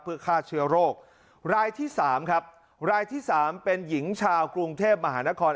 เพื่อฆ่าเชื้อโรครายที่๓ครับรายที่๓เป็นหญิงชาวกรุงเทพมหานคร